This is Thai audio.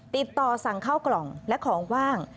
ติดต่อสั่งเข้ากล่องและของว่าง